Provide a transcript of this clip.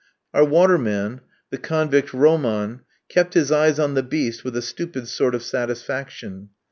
Our waterman, the convict Roman, kept his eyes on the beast with a stupid sort of satisfaction.